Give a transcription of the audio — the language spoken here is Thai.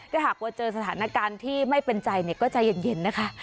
ถ้าหากว่าเจอสถานการณ์ที่ไม่เป็นใจก็ใจเย็นนะคะ